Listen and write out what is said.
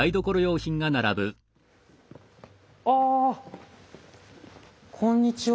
あこんにちは。